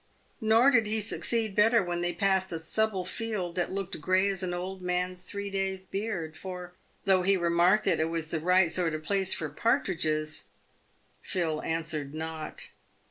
Nor did he succeed better when they passed a stubble field that looked grey as an old man's three days' beard; for though he remarked that it was the right sort of place for partridges, Phil answered not.